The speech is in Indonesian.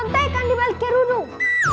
ngumpetin contekan dibalik ke runung